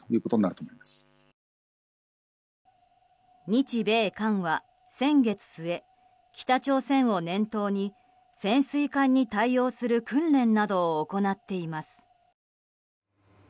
日米韓は先月末北朝鮮を念頭に潜水艦に対応する訓練などを行っています。